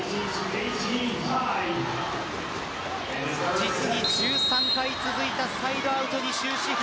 実に１３回続いたサイドアウトに終止符